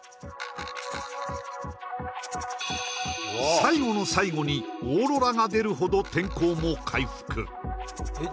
最後の最後にオーロラが出るほど天候も回復えっ